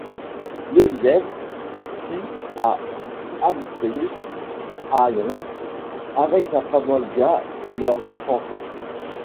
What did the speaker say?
Leviev vit à Hampstead à Londres, avec sa femme Olga et leurs neuf enfants.